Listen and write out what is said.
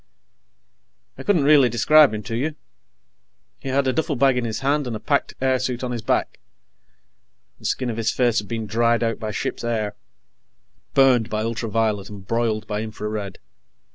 I couldn't really describe him to you. He had a duffelbag in his hand and a packed airsuit on his back. The skin of his face had been dried out by ship's air, burned by ultraviolet and broiled by infra red.